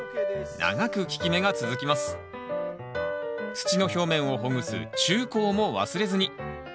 土の表面をほぐす中耕も忘れずに。